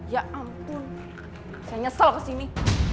ya ampun saya nyesel kesini